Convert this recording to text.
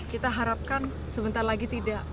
kita harapkan sebentar lagi tidak